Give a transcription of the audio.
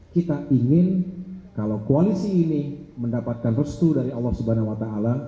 kita ingin kalau koalisi ini mendapatkan restu dari allah swt